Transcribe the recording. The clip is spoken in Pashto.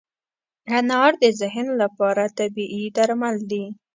انار د ذهن لپاره طبیعي درمل دی.